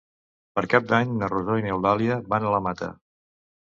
Per Cap d'Any na Rosó i n'Eulàlia van a la Mata.